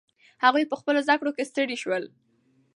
هغوی په خپلو زده کړو کې ستړي سول.